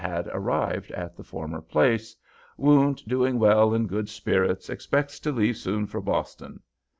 had arrived at the former place, "wound doing well in good spirits expects to leave soon for Boston."